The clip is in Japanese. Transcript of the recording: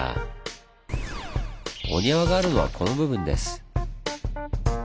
お庭があるのはこの部分です。